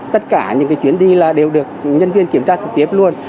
tất cả những chuyến đi là đều được nhân viên kiểm tra trực tiếp luôn